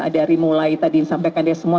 dari mulai tadi yang disampaikan semua